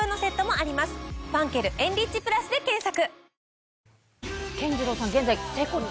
「ファンケルエンリッチプラス」で検索。